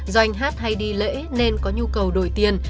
do anh hát hay đi lễ nên có nhu cầu đổi tiền